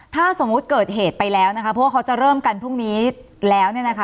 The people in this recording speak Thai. ถ้าสมมติเกิดเหตุไปแล้วเพราะว่าเขาจะเริ่มกันพรุ่งนี้แล้ว